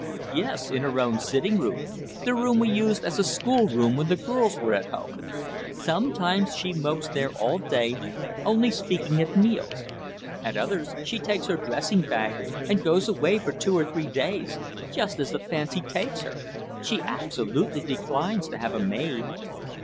"Yes, in her own sitting room the room we used as a schoolroom when the girls were at home. Sometimes she mopes there all day, only speaking at meals. At others, she takes her dressing bag and goes away for two or three days just as the fancy takes her. She absolutely declines to have a maid."